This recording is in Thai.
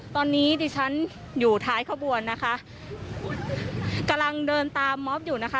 ตอนนี้ดิฉันอยู่ท้ายขบวนนะคะกำลังเดินตามมอบอยู่นะคะ